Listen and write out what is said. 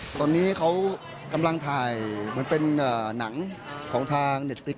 ตอนนี้เขากำลังถ่ายเหมือนเป็นหนังของทางเน็ตฟิก